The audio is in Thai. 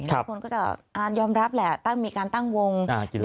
ทุกคนก็จะยอมรับแหละตั้งมีการตั้งวง